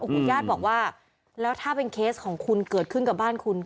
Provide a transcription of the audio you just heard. คุณญาติบอกว่าแล้วถ้าเป็นเคสของคุณเกิดขึ้นกับบ้านคุณ